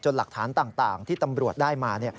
หลักฐานต่างที่ตำรวจได้มา